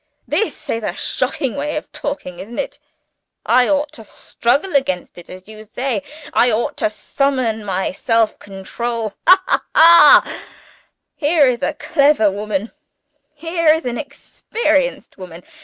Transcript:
this is a shocking way of talking, isn't it? I ought to struggle against it as you say. I ought to summon my self control. Ha! ha! ha! Here is a clever woman here is an experienced woman.